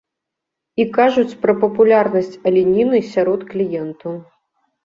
І кажуць пра папулярнасць аленіны сярод кліентаў.